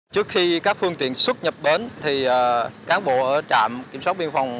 trước khi các phương tiện xuất nhập bến cán bộ ở trạm kiểm soát biên phòng